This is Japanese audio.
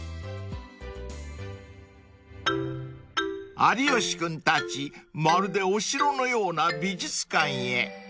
［有吉君たちまるでお城のような美術館へ］